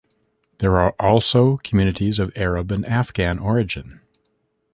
There are also communities of Arab and Afghan origin.